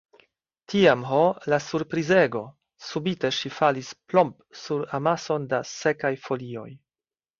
Tiam, ho, la surprizego!, subite ŝi falis plomp! sur amason da sekaj folioj.